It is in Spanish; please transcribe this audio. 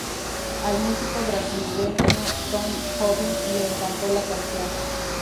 Al músico brasileño Tom Jobim le encantó la canción.